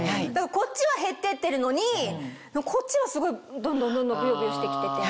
こっちは減ってってるのにこっちはすごいどんどんどんどんぶよぶよして来てて。